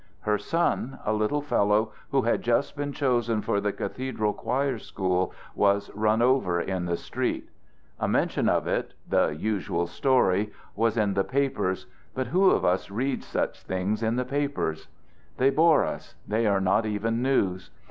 Her son, a little fellow who had just been chosen for the cathedral choir school was run over in the street. A mention of it the usual story was in the papers, but who of us reads such things in the papers? They bore us; they are not even news.